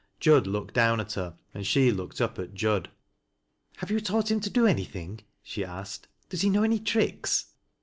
Jud looked down at her, and she looked up at Jud. " Have you taught him to do anything ?" she asked. " Does he know any tricks